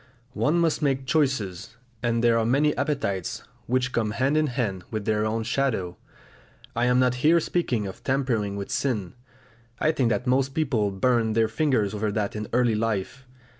One must make choices; and there are many appetites which come hand in hand with their own shadow. I am not here speaking of tampering with sin; I think that most people burn their fingers over that in early life.